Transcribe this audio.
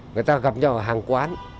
người ta gặp nhau ở hàng quán